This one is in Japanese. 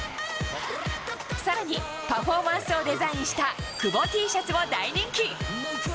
さらに、パフォーマンスをデザインした久保Ｔシャツも大人気。